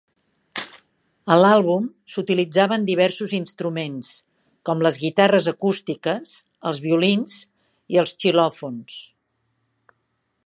A l"àlbum s"utilitzaven diversos instruments com les guitarres acústiques, els violins i els xilòfons.